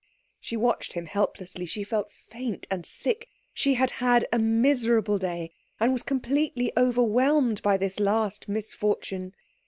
She watched him helplessly. She felt faint and sick. She had had a miserable day, and was completely overwhelmed by this last misfortune.